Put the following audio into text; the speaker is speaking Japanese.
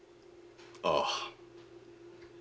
ああ。